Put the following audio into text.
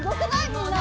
みんな。